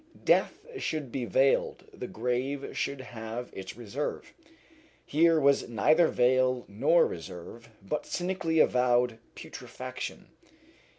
Death should be veiled, the grave should have its reserve. Here was neither veil nor reserve, but cynically avowed putrefaction.